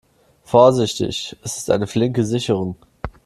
Vorsichtig, es ist eine flinke Sicherung.